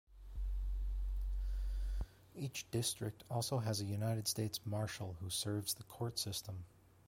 Each district also has a United States Marshal who serves the court system.